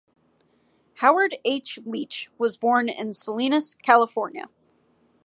Howard H. Leach was born in Salinas, California.